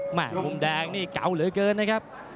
มุมแดงนี่เก่าเหลือเกินนะครับ